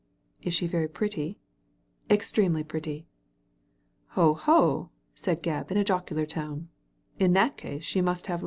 *' Is she very pretty ?"" Extremely pretty." "Hoi hoi" said Gebb, in a jocular tone; "in that case she must have lovers."